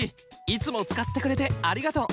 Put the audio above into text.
いつもつかってくれてありがとう！